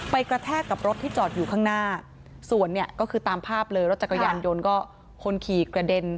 กระแทกกับรถที่จอดอยู่ข้างหน้าส่วนเนี่ยก็คือตามภาพเลยรถจักรยานยนต์ก็คนขี่กระเด็น